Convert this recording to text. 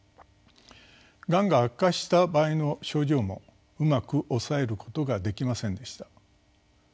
がんが悪化した場合の症状もうまく抑えることができませんでした。